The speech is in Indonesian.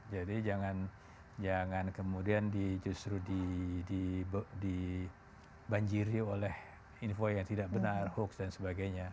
jadi jangan kemudian justru dibanjiri oleh info yang tidak benar hoax dan sebagainya